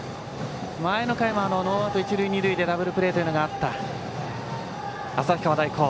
前の回もノーアウト、一塁二塁でダブルプレーというのがあった旭川大高。